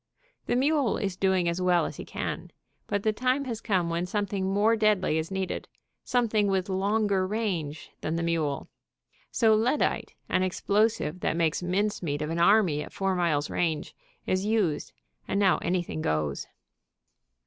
The mule is doing as well as he can, but the time has come when something more deadly is needed, something with longer range than the mule, so lead 84 NEW WAR EXPLOSIVES ite, an explosive that makes mincemeat of an army at four miles range, is used, and now anything goes.